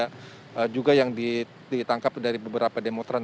dan juga yang ditangkap dari beberapa demonstran